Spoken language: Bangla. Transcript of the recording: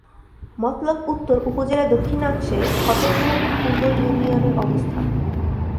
মতলব উত্তর উপজেলার দক্ষিণাংশে ফতেপুর পূর্ব ইউনিয়নের অবস্থান।